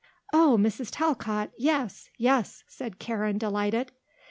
"Oh, Mrs. Talcott yes, yes;" said Karen, delighted.